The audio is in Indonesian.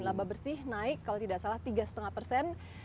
laba bersih naik kalau tidak salah tiga lima persen